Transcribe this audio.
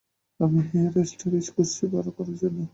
আমি hair stylist খুজছি ভাড়া করার জন্য।